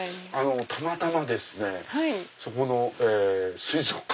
たまたまですねそこの水族館。